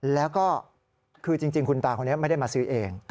แล้วก็คือจริงคุณตาคนนี้ไม่ได้มาซื้อเอง